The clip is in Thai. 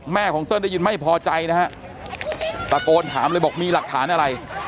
ของเติ้ลได้ยินไม่พอใจนะฮะตะโกนถามเลยบอกมีหลักฐานอะไร